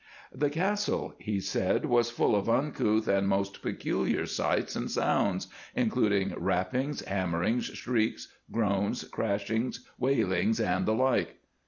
The Castle, he said, was full of uncouth and most peculiar sights and sounds, including rappings, hammerings, shrieks, groans, crashings, wailings, and the like.